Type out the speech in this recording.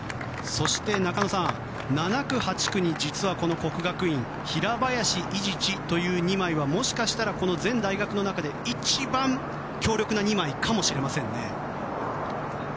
そして、中野さん７区、８区に実は國學院平林、伊地知という２枚はもしかしたら全大学の中で一番強力な２枚かもしれませんね。